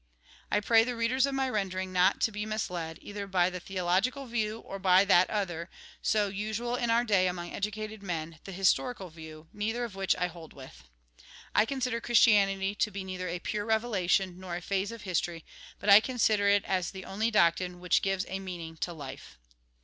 I pray the readers of my rendering not to be misled, either by the theological view, or by that other, so usual in our day among educated men, the historical view, neither of which I hold with. I consider Christianity to be neither a pure revelation nor a phase of history, but I consider it as the only doctrine which gives a meaning to life.